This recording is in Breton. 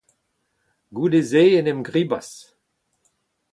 Goude-se en em gribas.